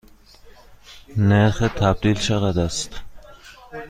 نرخ تبدیل چقدر است؟